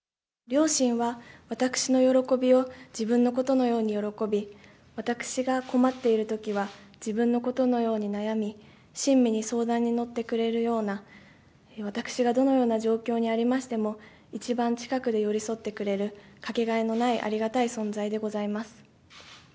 両親は私の喜びを自分のことのように喜び、私が困っているときは自分のことのように悩み、親身に相談に乗ってくれるような、私がどのような状況にありましても、一番近くで寄り添ってくれる、掛けがえのないありがたい存在でございます。